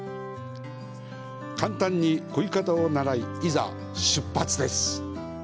簡単にこぎ方を習い、いざ出発です。